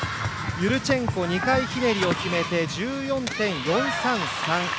ユルチェンコ２回ひねりを決めて１４．４３３。